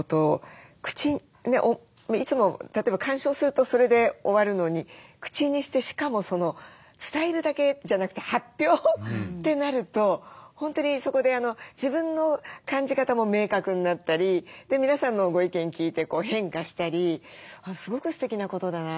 いつも例えば鑑賞するとそれで終わるのに口にしてしかも伝えるだけじゃなくて発表ってなると本当にそこで自分の感じ方も明確になったり皆さんのご意見聞いて変化したりすごくすてきなことだなと。